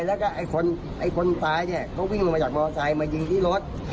และคนตายก็วิ่งลงมาจากมอไซด์มายิงที่รถ